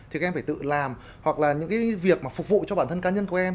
thì các em phải tự làm hoặc là những việc phục vụ cho bản thân cá nhân của em